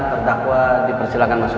pertakwa dipersilakan masuk